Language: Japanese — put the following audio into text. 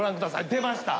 出ました。